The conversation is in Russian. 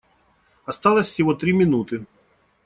Осталось всего три минуты.